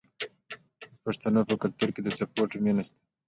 د پښتنو په کلتور کې د سپورت مینه شته.